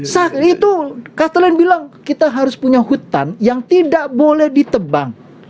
saat itu catheline bilang kita harus punya hutan yang tidak boleh ditebang